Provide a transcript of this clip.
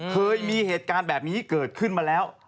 เคยมีเหตุการณ์แบบนี้เกิดขึ้นมาแล้ว